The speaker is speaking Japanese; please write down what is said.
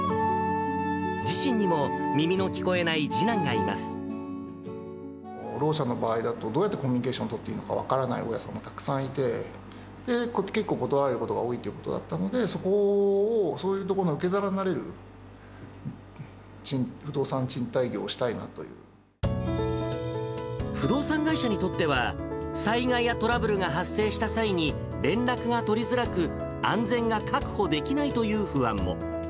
自身にも耳の聞こえない次男がいろう者の場合だと、どうやってコミュニケーション取っていいのか分からない大家さんもたくさんいて、結構断られることが多いということだったので、そこを、そういうところの受け皿になれる、不動産会社にとっては、災害やトラブルが発生した際に、連絡が取りづらく、安全が確保できないという不安も。